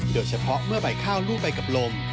โดยเฉพาะเมื่อใบข้าวรูปใบกับลม